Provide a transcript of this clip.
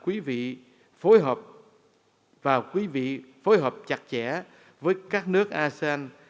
quý vị phối hợp và quý vị phối hợp chặt chẽ với các nước asean